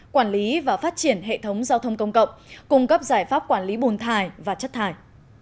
quản lý và phát triển hệ thống giao thông công cộng cung cấp giải pháp quản lý bùn thải và chất thải